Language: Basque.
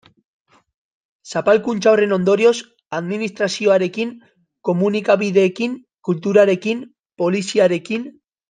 Zapalkuntza horren ondorioz, administrazioarekin, komunikabideekin, kulturarekin, poliziarekin...